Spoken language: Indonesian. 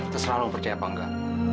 terserah lo percaya apa nggak